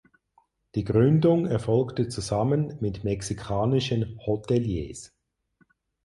Die Gründung erfolgte zusammen mit mexikanischen Hoteliers.